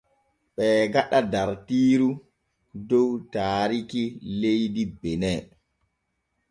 Ɓee gaɗa dartiiru dow taarikki leydi Bene.